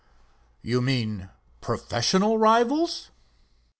"You mean professional rivals?"